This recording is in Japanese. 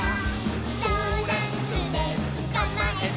「ドーナツでつかまえた！」